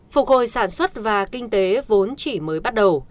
phục hồi sản xuất và kinh tế vốn chỉ mới bắt đầu